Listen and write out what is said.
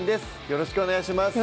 よろしくお願いします